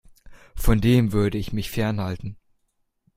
Von dem würde ich mich fernhalten.